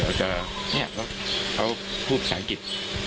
บอกว่าเดี๋ยวจะเนี่ยเขาผู้ภูมิศาสตร์อังกฤษ